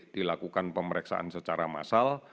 dilakukan pemeriksaan secara massal